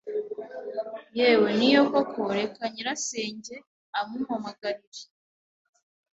Yewe ni yo koko reka a nyirasenge amumpamagarire